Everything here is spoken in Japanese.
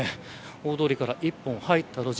大通りから一本入った路地。